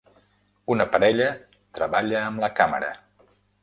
Una parella treballa amb la càmera.